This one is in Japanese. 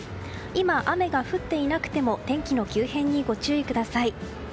今、雨が降っていなくても天気の急変にご注意ください。